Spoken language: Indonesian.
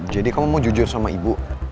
jadi kamu mau jujur sama ibu